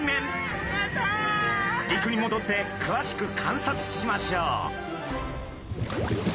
陸にもどってくわしく観察しましょう。